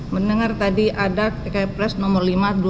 mendengar tadi ada kepres nomor lima dua ribu dua